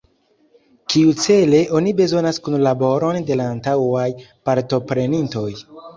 Kiucele oni bezonas kunlaboron de la antaŭaj partoprenintoj?